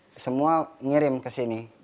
ini semua ngirim kesini